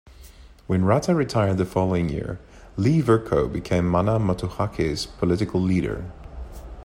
When Rata retired the following year, Lee-Vercoe became Mana Motuhake's political leader.